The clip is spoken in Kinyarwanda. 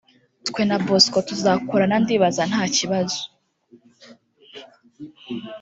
twe na Bosco tuzakorana ndibaza ntakibazo